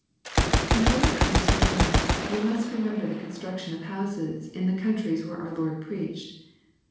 '] In order to understand this we must remember the construction of houses in the countries where our Lord preached.